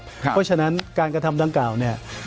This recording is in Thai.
เพราะฉะนั้นการกระทำดังกล่าวเนี่ย